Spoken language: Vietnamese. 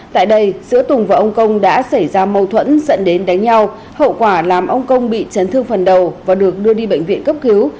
tại đây giữa tùng và ông công đã xảy ra mâu thuẫn dẫn đến đánh nhau hậu quả làm ông công bị chấn thương phần đầu và được đưa đi bệnh viện cấp cứu